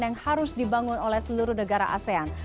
yang harus dibangun oleh seluruh negara asean